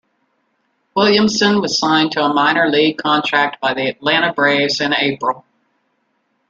Williamson was signed to a minor league contract by the Atlanta Braves in April.